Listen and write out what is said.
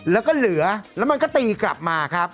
แล้วก็เหลือแล้วมันก็ตีกลับมาครับ